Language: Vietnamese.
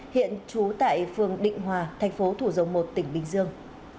hiện trú tại phường định hòa thành phố thủ dầu một tỉnh bình dương